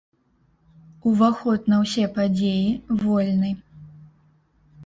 Уваход на ўсе падзеі вольны.